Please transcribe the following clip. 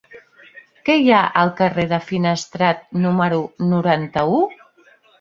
Què hi ha al carrer de Finestrat número noranta-u?